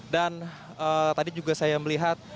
dan tadi juga saya melihat